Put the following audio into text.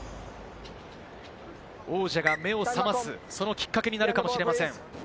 王者が目を覚ます、そのきっかけになるかもしれません。